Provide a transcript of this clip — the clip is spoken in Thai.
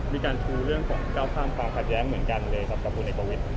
มีการชูเรื่องของก้าวข้ามความขัดแย้งเหมือนกันเลยครับกับผลเอกประวิทย์